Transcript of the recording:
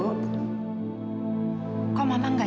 kalau keputusan ini adalah untuk ayah